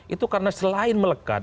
itu karena selain melekat